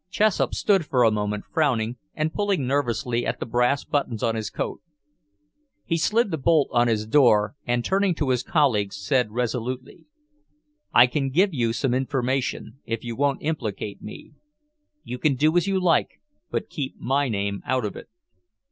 Chessup stood for a moment frowning and pulling nervously at the brass buttons on his coat. He slid the bolt on his door and turning to his colleague said resolutely: "I can give you some information, if you won't implicate me. You can do as you like, but keep my name out of it.